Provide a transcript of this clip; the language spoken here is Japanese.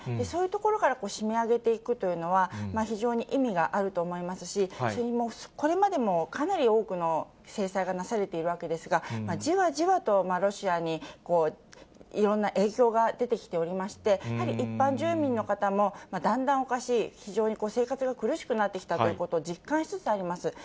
そういうところから締め上げていくというのは、非常に意味があると思いますし、これまでもかなり多くの制裁がなされているわけですが、じわじわとロシアにいろんな影響が出てきておりまして、やはり一般住民の方も、だんだんおかしい、非常に生活が苦しくなってきたということを実感しつつあります。